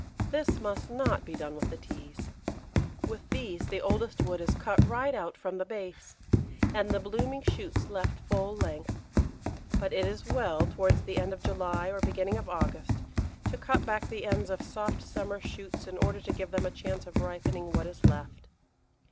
This must not be done with the Teas. With these the oldest wood is cut right out from the base, and the blooming shoots left full length. But it is well, towards the end of July or beginning of August, to cut back the ends of soft summer shoots in order to give them a chance of ripening what is left.